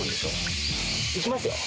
いきますよ。